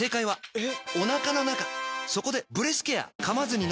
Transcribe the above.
えっ！